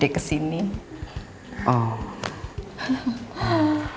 dia sudah diisi kan